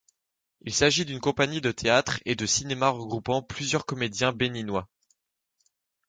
Il s'agit d'une compagnie de théâtre et de cinéma regroupant plusieurs comédiens béninois.